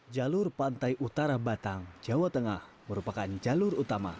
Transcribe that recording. jalur pantai utara batang jawa tengah merupakan jalur utama